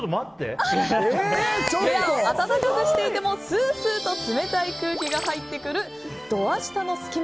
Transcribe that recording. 部屋を暖かくしていてもスースーと冷たい空気が入ってくるドア下の隙間。